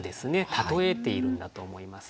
例えているんだと思います。